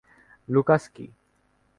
Lucas, কি?